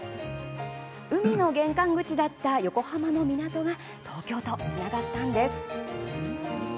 海の玄関口だった横浜の港が東京とつながったんです。